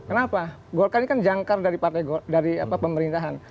kenapa golkar ini kan jangkar dari pemerintahan